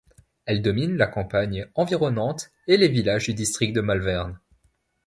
Elles dominent la campagne environnante et les villages du district de Malvern.